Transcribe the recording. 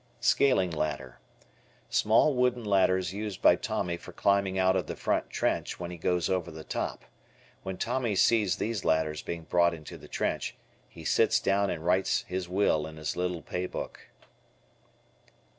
Scaling ladder. Small wooden ladders used by Tommy for climbing out of the front trench when he goes "over the top." When Tommy sees these ladders being brought into the trench, he sits down and writes his will in his little pay book.